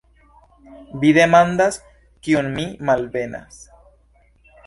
Vi demandas, kiun mi malbenas!